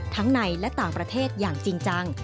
ในและต่างประเทศอย่างจริงจัง